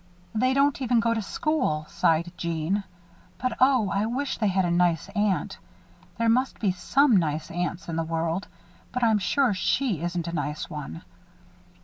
"They don't even go to school," sighed Jeanne. "But oh, I wish they had a nice aunt. There must be some nice aunts in the world; but I'm sure she isn't a nice one."